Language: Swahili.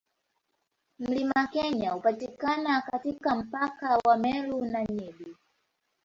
Mlima Kenya hupatikana katika mpaka wa Meru na Nyeri.